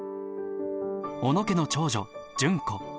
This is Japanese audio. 小野家の長女純子。